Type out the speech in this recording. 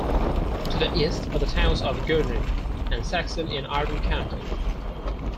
To the east are the towns of Gurney and Saxon in Iron County.